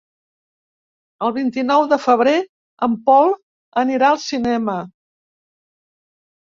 El vint-i-nou de febrer en Pol anirà al cinema.